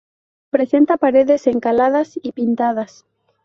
Presenta paredes encaladas y pintadas.